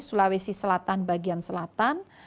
sulawesi selatan bagian selatan